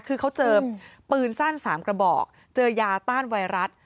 คือเขาเจอปืนสั้น๓กระบอกเจอยาต้านไวรัส